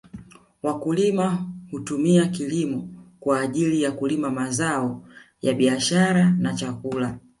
Wakulima hutumia kilimo kwa ajili ya kulima mazao ya biashara na chakula